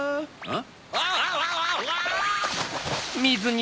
・ん？